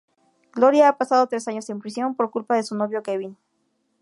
Gloria ha pasado tres años en prisión por culpa de su novio Kevin.